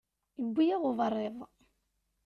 Iwwi-yaɣ uberriḍ.